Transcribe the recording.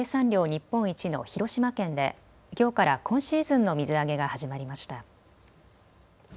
日本一の広島県できょうから今シーズンの水揚げが始まりました。